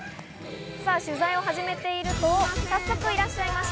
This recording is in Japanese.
取材を始めていると早速いらっしゃいました。